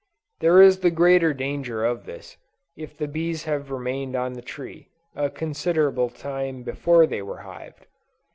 There is the greater danger of this, if the bees have remained on the tree, a considerable time before they were hived.